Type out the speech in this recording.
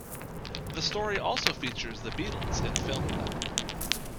The story also features The Beatles in a film clip.